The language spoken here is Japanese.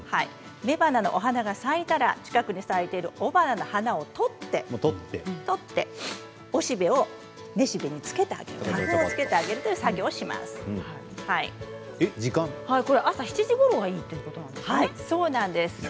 雌花のお花が咲いたら近くに咲いている雄花の花を取って雄しべを雌しべにつけてあげる花粉をつけてあげるという作業を朝７時ごろがいいんですよ